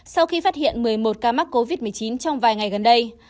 sau khi phát hiện một mươi một ca mắc covid một mươi chín trong vài ngày gần đây